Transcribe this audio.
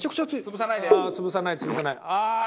ああ潰さない潰さない。